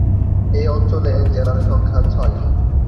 এ অঞ্চলে জেলার সংখ্যা ছয়টি।